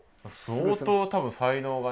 相当多分才能がね。